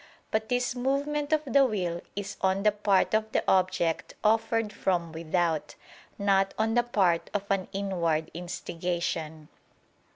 But this movement of the will is on the part of the object offered from without: not on the part of an inward instigation.